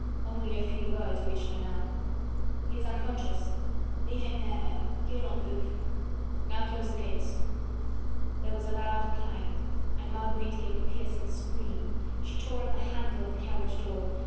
Only a few words reached her now. "He is unconscious." "Leave him there, then; he'll not move!" "Now close the gates!" There was a loud clang, and Marguerite gave a piercing scream. She tore at the handle of the carriage door.